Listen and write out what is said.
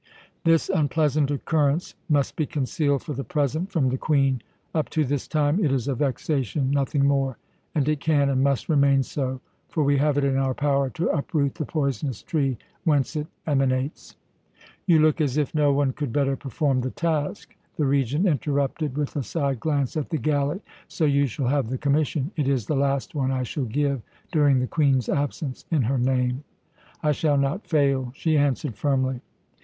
This unpleasant occurrence must be concealed for the present from the Queen. Up to this time it is a vexation, nothing more and it can and must remain so; for we have it in our power to uproot the poisonous tree whence it emanates." "You look as if no one could better perform the task," the Regent interrupted, with a side glance at the galley, "so you shall have the commission. It is the last one I shall give, during the Queen's absence, in her name." "I shall not fail," she answered firmly.